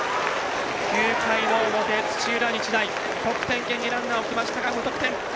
９回の表、土浦日大得点圏にランナーを置きましたが無得点。